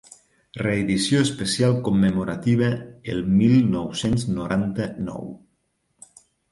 Reedició especial commemorativa el mil nou-cents noranta-nou.